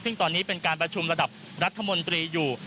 ซึ่งตอนนี้เป็นการประชุมระดับรัฐมนตรีอยู่